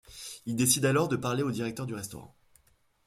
Il décide alors de parler au directeur du restaurant.